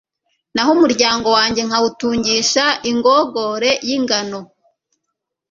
Naho umuryango wanjye nkawutungisha ingogore y’ingano